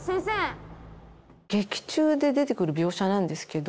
劇中で出てくる描写なんですけど。